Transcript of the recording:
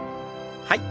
はい。